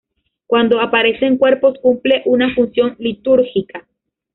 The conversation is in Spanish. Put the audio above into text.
Cuando aparecen cuerpos, cumple una función litúrgica.